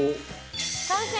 完成！